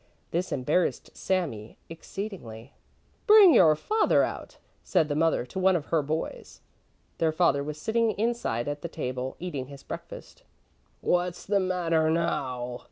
This embarrassed Sami exceedingly. "Bring your father out," said the mother to one of her boys. Their father was sitting inside at the table, eating his breakfast. "What's the matter now?"